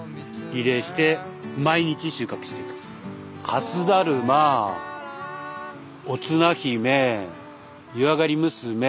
初だるまおつな姫湯あがり娘